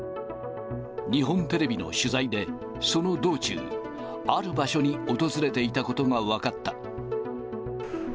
日本テレビの取材でその道中、ある場所に訪れていたことが分かった。